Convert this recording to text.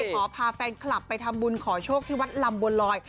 ขอพาแฟนคลับไปทำบุญขอโชคที่วัดลำบัวลอย